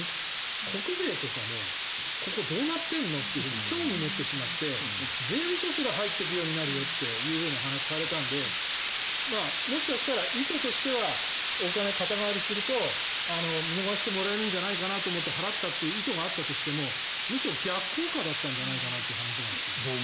国税とかもここ、どうなってんの？って興味を持ってしまって税務署すら入っていくようになるよという話をされたのでもしかしたら意図としたらお金を肩代わりすると見逃してもらえるんじゃないかと思って払ったという意図があったとしてもむしろ逆効果だったんじゃないかなという話なんですけど。